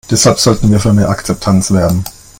Deshalb sollten wir für mehr Akzeptanz werben.